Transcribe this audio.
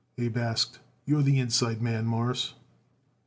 Abe asked. "You're the inside man, Mawruss."